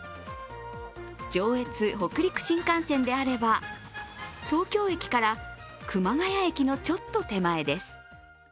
上越・北陸新幹線であれば東京駅から熊谷駅のちょっと手前です。